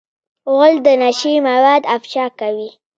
غول د نشې مواد افشا کوي.